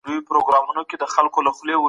انسان به يوه ورځ د علم په واسطه پرمختګ وکړي.